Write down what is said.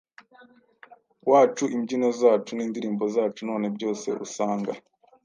wacu, imbyino zacu, n’indirimbo zacu none byose usanga